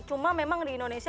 cuma memang di indonesia